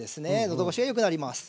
のどごしがよくなります。